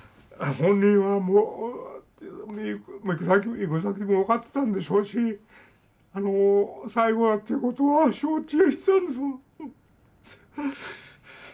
本人はもう行く先も分かってたんでしょうしあの最後だっていうことは承知してたんですもん。